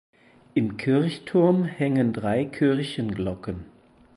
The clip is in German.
Im Kirchturm hängen drei Kirchenglocken.